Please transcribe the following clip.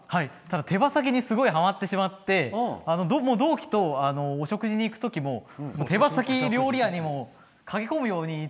手羽先にはまってしまって同期とお食事に行くときも手羽先料理屋に駆け込むように。